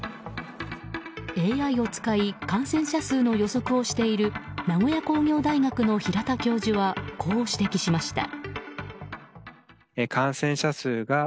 ＡＩを使い感染者数の予測をしている名古屋工業大学の平田教授はこう指摘しました。